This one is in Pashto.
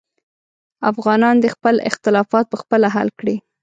افغانان دې خپل اختلافات پخپله حل کړي.